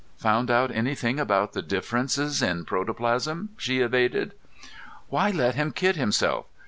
"Found out anything about the differences in protoplasm?" she evaded. "Why let him kid himself?